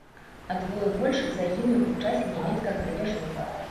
А двое большых загінулі ў часе нямецкага грабяжу.